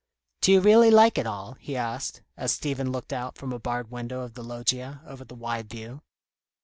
"Do you really like it all?" he asked, as Stephen looked out from a barred window of the loggia, over the wide view.